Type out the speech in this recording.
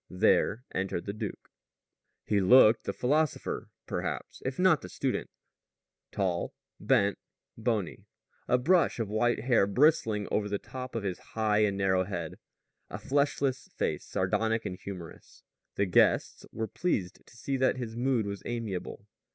There entered the duke. He looked the philosopher, perhaps, if not the student tall, bent, bony; a brush of white hair bristling over the top of his high and narrow head; a fleshless face, sardonic and humorous. The guests were pleased to see that his mood was amiable.